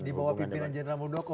dibawa pimpinan general murdoko